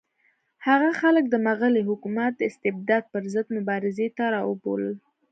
هغه خلک د مغلي حکومت د استبداد پر ضد مبارزې ته راوبلل.